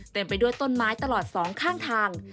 ไปด้วยต้นไม้ตลอดสองข้างทาง